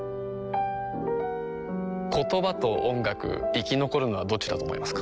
言葉と音楽生き残るのはどっちだと思いますか？